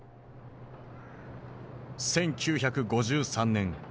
１９５３年。